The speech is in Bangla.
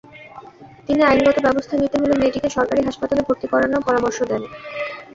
তিনি আইনগত ব্যবস্থা নিতে হলে মেয়েটিকে সরকারি হাসপাতালে ভর্তি করানোর পরামর্শ দেন।